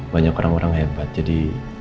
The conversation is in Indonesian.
banyak orang orang hebat jadi